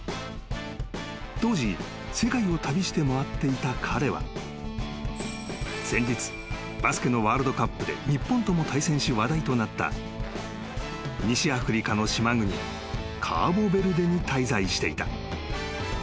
［当時世界を旅して回っていた彼は先日バスケのワールドカップで日本とも対戦し話題となった西アフリカの島国カーボベルデに滞在していた］